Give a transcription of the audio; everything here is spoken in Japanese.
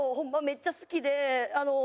めっちゃ好きで。